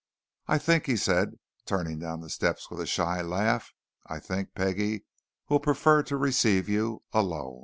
"I think," he said, turning down the steps with a shy laugh, "I think Peggie will prefer to receive you alone."